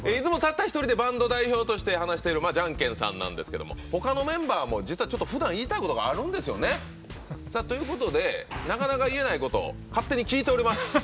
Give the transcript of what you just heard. バンド代表として話しているジャン・ケンさんなんですがほかのメンバーもふだん言いたいことがあるんですよね。ということでなかなか言えないこと勝手に聞いております。